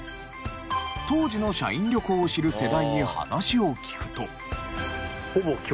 当時の社員旅行を知る世代に話を聞くと。